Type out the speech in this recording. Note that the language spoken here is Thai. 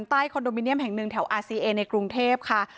คอนโดมิเนียมแห่งหนึ่งแถวอาซีเอในกรุงเทพค่ะ